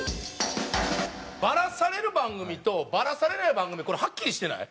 バラされる番組とバラされない番組これはっきりしてない？